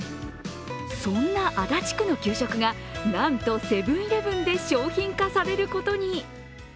そんな足立区の給食がなんとセブン‐イレブンで商品化されることに。